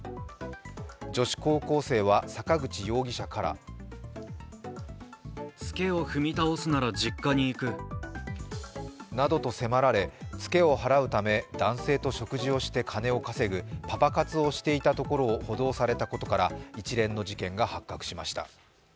女子高校生は坂口容疑者からなどと迫られ、ツケを払うため男性と食事をして金を稼ぐパパ活をしていたところを補導されたことから一連の事件が発覚しました。